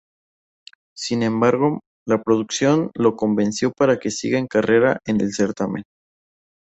Sin embargo, la producción lo convenció para que siga en carrera en el certamen.